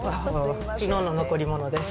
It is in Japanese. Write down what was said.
きのうの残り物です。